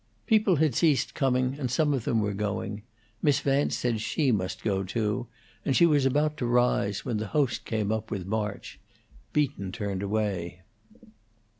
People had ceased coming, and some of them were going. Miss Vance said she must go, too, and she was about to rise, when the host came up with March; Beaton turned away.